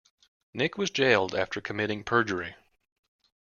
Nick was jailed after committing perjury